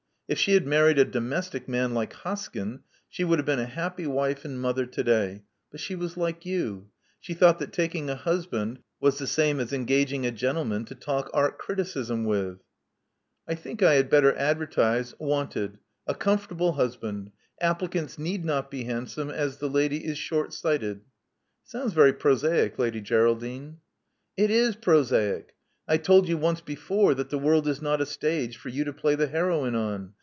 If she had married a domestic man like Hoskyn, she would have been a happy wife and mother to day. But she was like you : she thought that taking a hus band was the same thing as engaging a gentleman to talk art criticism with." *'I think I had better advertise, 'Wanted: a com fortable husband. Applicants need not be handsome, as the lady is shortsighted. ' It sounds very prosaic, Lady Geraldine." It is prosaic. I told you once before that the world is not a stage for you to play the heroine on.